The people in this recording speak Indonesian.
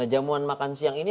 jamuan makan siang ini